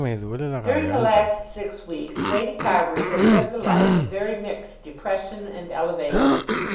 During the last six weeks Lady Carbury had lived a life of very mixed depression and elevation.